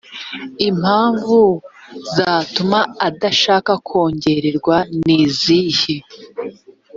impamvu zatuma adashaka kongererwa nizihe